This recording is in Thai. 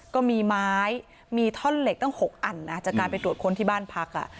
ก็มีไม้มีท่อนเหล็กตั้ง๖อันนะจากการไปตรวจค้นที่บ้านพัก